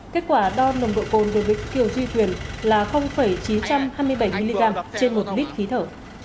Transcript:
kết quả đo nồng độ cồn đối với kiều duy quyền là chín trăm hai mươi bảy mg trên một lít khí thở